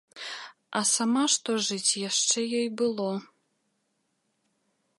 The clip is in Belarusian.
А сама што жыць яшчэ ёй было.